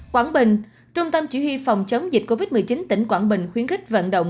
quảng bình trung tâm chỉ huy phòng chống dịch covid một mươi chín tỉnh quảng bình khuyến khích vận động